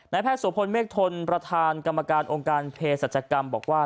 แพทย์โสพลเมฆทนประธานกรรมการองค์การเพศรัชกรรมบอกว่า